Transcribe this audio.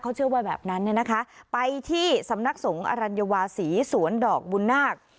เขาเชื่อว่าแบบนั้นเนี่ยนะคะไปที่สำนักสงฆ์อรัญวาศีสวนดอกบุญนาค